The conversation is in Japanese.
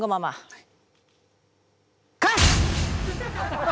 はい。